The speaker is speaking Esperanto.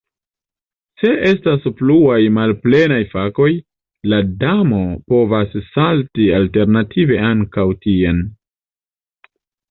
Se estas pluaj malplenaj fakoj, la damo povas salti alternative ankaŭ tien.